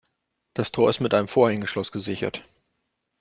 Das Tor ist mit einem Vorhängeschloss gesichert.